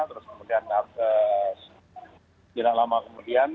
terus kemudian tidak lama kemudian